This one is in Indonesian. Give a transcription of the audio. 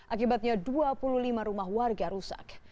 akibatnya dua puluh lima rumah warga rusak